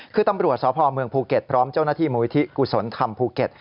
คือตำรวจสพเมืองภูเก็ตพร้อมเจ้าหน้าที่มูลิธิกุศลธรรมภูเก็ต